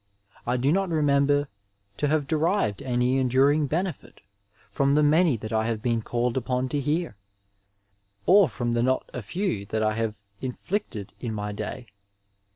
I do not remember to have derived any enduring benefit from tbe many that I have been called upon to hear, or from the not a few that I have inflicted in my day.